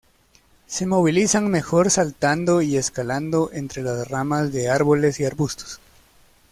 Se movilizan mejor saltando y escalando entre las ramas de árboles y arbustos.